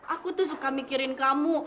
aku tuh suka mikirin kamu